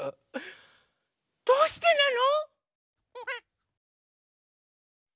どうしてなの？